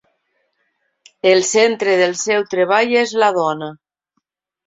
El centre del seu treball és la dona.